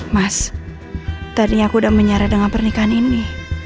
mas tadinya aku sudah menyarai dengan pernikahan ini